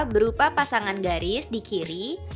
berupa pasangan garis di kiri